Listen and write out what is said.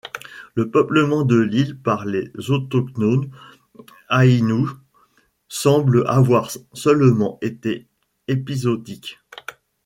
Le peuplement de l'île par les autochtones aïnous semble avoir seulement été épisodique.